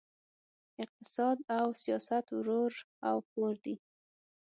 اقتصاد او سیاست ورور او خور دي!